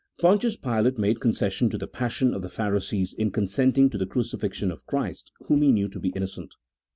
Pontius Pilate made concession to the passion of the Pharisees in consenting to the crucifixion of Christ, whom he knew to be innocent.